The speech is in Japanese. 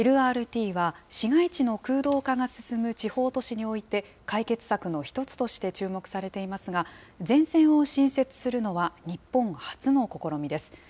ＬＲＴは、市街地の空洞化が進む地方都市において、解決策の一つとして注目されていますが、全線を新設するのは日本初の試みです。